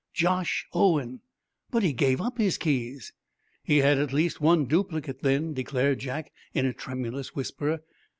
"Josh Owen! But he gave up his keys." "He had at least one duplicate, then," declared Jack, in a tremulous whisper.